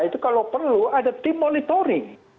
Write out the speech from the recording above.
itu kalau perlu ada tim monitoring